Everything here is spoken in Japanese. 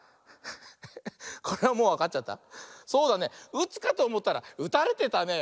うつかとおもったらうたれてたね。